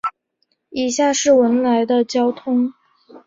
以下是文莱的交通